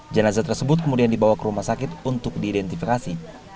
jenazah tersebut kemudian dibawa ke rumah sakit untuk diidentifikasi